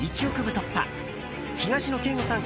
突破東野圭吾さん